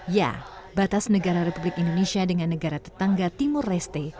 ya batas negara republik indonesia dengan negara tetangga timur leste